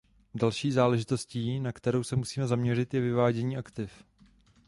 Další záležitostí, na kterou se musíme zaměřit, je vyvádění aktiv.